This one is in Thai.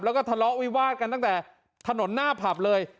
แล้วก็ทะเลาะวิวาดกันตั้งแต่ถนนหน้าผับเลย